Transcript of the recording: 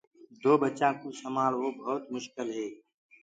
دو ٻچآنٚ ڪوُ سمآݪوو ڀوت مسڪِل هي۔